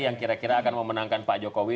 yang kira kira akan memenangkan pak jokowi